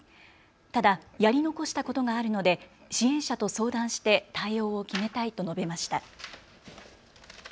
ただ、やり残したことがあるので支援者と相談して対応を決めたいと述べました。